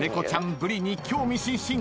ブリに興味津々。